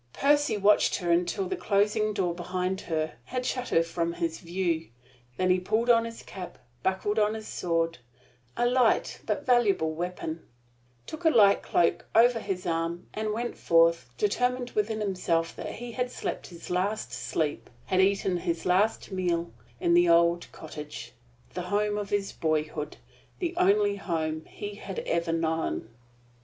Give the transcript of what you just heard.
Percy watched her until the closing door behind her had shut her from his view; then he put on his cap; buckled on his sword a light, but valuable weapon; took a light cloak over his arm, and went forth, determined within himself that he had slept his last sleep, and eaten his last meal, in the old cottage the home of his boyhood the only home he had ever known.